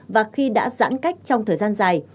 và khi đã giãn cách trong thời gian dài